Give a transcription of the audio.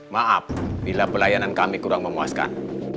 maaf bila pelayanan kami kurang memuaskan